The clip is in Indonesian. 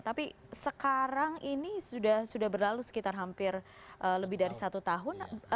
tapi sekarang ini sudah berlalu sekitar hampir lebih dari satu tahun